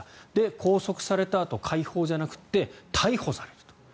拘束されたあと、解放じゃなくて逮捕されると。